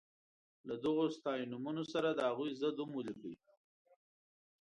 له دغو ستاینومونو سره د هغوی ضد هم ولیکئ.